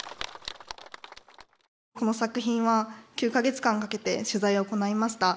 この作品は９か月間かけて取材を行いました。